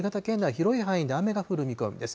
広い範囲で雨が降る見込みです。